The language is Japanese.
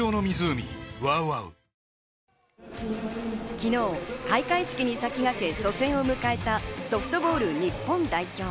昨日、開会式に先駆け初戦を迎えたソフトボール日本代表。